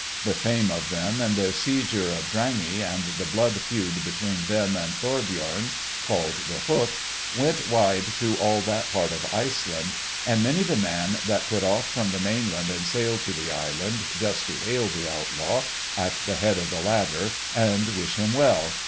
The fame of them and of their seizure of Drangey and the blood feud between them and Thorbjorn, called The Hook, went wide through all that part of Iceland, and many the man that put off from the mainland and sailed to the island, just to hail the Outlaw, at the head of the ladder, and wish him well.